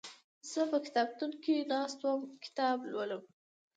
زه په کتابتون کې ناست يم کتاب لولم